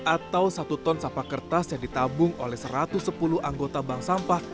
atau satu ton sampah kertas yang ditabung oleh satu ratus sepuluh anggota bank sampah